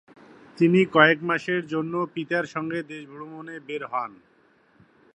তিনি কয়েক মাসের জন্য পিতার সঙ্গে দেশভ্রমণে বের হন।